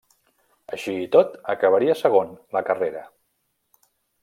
Així i tot, acabaria segon la carrera.